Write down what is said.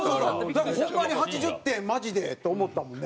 だってホンマに８０点マジでと思ったもんね。